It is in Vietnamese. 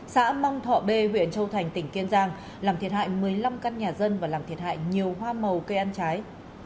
xã mong thọ b huyện châu thành tỉnh kiên giang làm thiệt hại một mươi năm căn nhà dân và làm thiệt hại nhiều hoa màu cây ăn trái